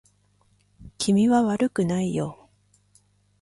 君は悪くないよ